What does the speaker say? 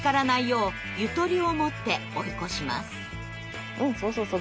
うんそうそうそう。